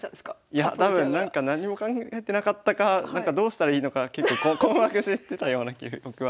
いや多分何にも考えてなかったかどうしたらいいのか困惑してたような記憶はありますね。